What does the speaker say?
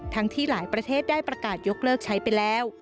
ที่หลายประเทศได้ประกาศยกเลิกใช้ไปแล้ว